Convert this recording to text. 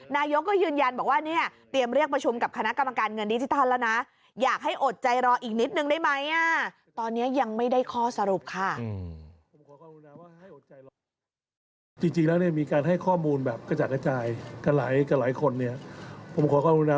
นายกก็ยืนยันบอกว่าเตรียมเรียกประชุมกับคณะกำลังการเงินดิจิทัลแล้วนะ